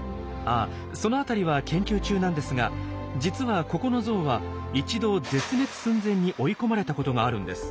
あその辺りは研究中なんですが実はここのゾウは一度絶滅寸前に追い込まれた事があるんです。